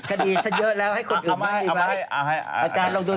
อาจารย์ลองดูพระเอกทุษมันยังใคร